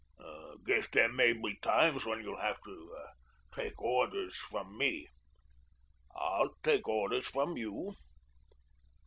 "Guess there may be times when you'll have to take orders from me." "I'll take orders from you."